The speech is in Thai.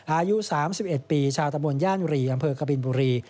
อายุสามสิบเอ็ดปีชาวตระบวนย่านบุรีอำเภอกบินบุรี